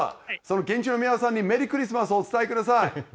現地の皆さんに、メリークリスマスとお伝えください。